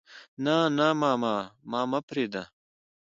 نه نه ماما ما پرېده.